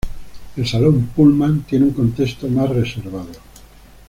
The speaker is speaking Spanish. El salón "Pullman" tiene un contexto más reservado.